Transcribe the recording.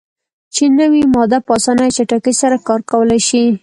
چې نوی ماده "په اسانۍ او چټکۍ سره کار کولای شي.